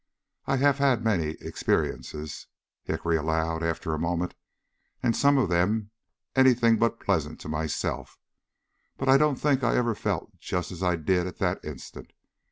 I have had many experiences," Hickory allowed, after a moment, "and some of them any thing but pleasant to myself, but I don't think I ever felt just as I did at that instant.